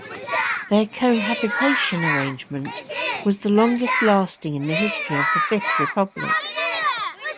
Their "cohabitation" arrangement was the longest-lasting in the history of the Fifth Republic.